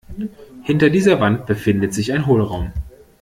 Hinter dieser Wand befindet sich ein Hohlraum.